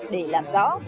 để làm rõ